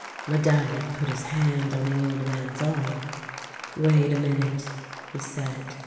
" Medallion put his hand on the old man's arm. " Wait a minute," he said.